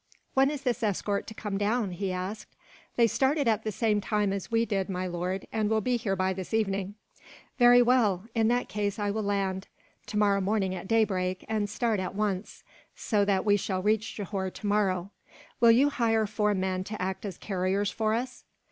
"When is this escort to come down?" he asked. "They started at the same time as we did, my lord, and will be here by this evening." "Very well. In that case I will land, tomorrow morning at daybreak, and start at once; so that we shall reach Johore tomorrow. Will you hire four men, to act as carriers for us?"